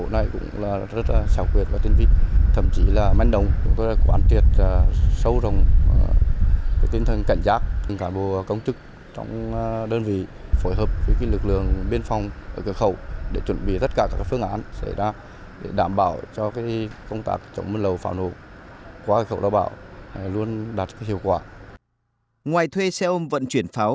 ngoài thuê xe ôm vận chuyển pháo